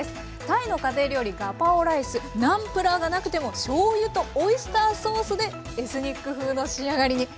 タイの家庭料理ガパオライスナンプラーがなくてもしょうゆとオイスターソースでエスニック風の仕上がりに。